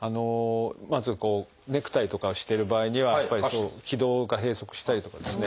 まずネクタイとかをしてる場合にはやっぱり気道が閉塞したりとかですね